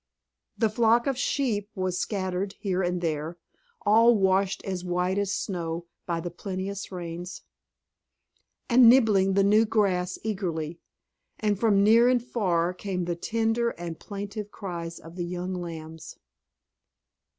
The flock of sheep was scattered here and there, all washed as white as snow by the plenteous rains, and nibbling the new grass eagerly; and from near and far came the tender and plaintive cries of the young lambs.